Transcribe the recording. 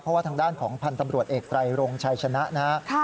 เพราะว่าทางด้านของพันธ์ตำรวจเอกไตรรงชัยชนะนะครับ